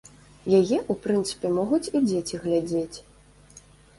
Яе, у прынцыпе, могуць і дзеці глядзець.